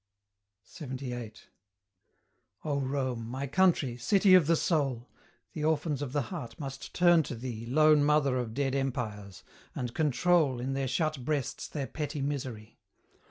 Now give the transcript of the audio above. LXXVIII. O Rome! my country! city of the soul! The orphans of the heart must turn to thee, Lone mother of dead empires! and control In their shut breasts their petty misery.